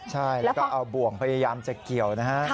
ใช่แล้วก็เอาบ่วงพยายามจะเกี่ยวนะฮะ